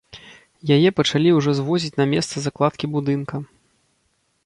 Яе пачалі ўжо звозіць на месца закладкі будынка.